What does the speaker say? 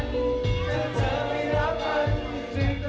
คือคือตามจำกล้อง